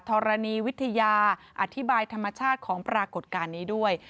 ธรณีวิทยาอธิบายธรรมชาติของปรากฏการณ์นี้ด้วย